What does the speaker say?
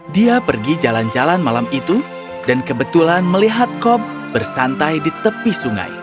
dia pergi jalan jalan malam itu dan kebetulan melihat kop bersantai di tepi sungai